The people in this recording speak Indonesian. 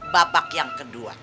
babak yang kedua